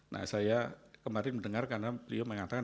nah saya kemarin mendengar karena beliau mengatakan